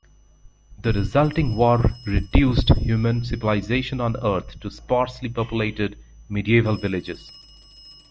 The resulting war reduced human civilization on Earth to sparsely-populated medieval villages.